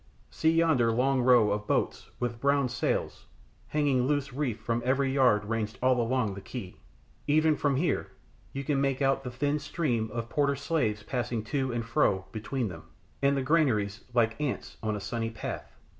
see yonder long row of boats with brown sails hanging loose reefed from every yard ranged all along the quay. Even from here you can make out the thin stream of porter slaves passing to and fro between them and the granaries like ants on a sunny path.